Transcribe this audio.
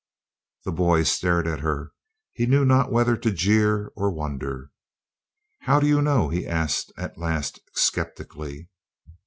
The boy stared at her; he knew not whether to jeer or wonder. "How you know?" he asked at last, skeptically.